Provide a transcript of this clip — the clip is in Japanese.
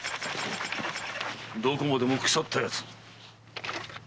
どこまでも腐った奴。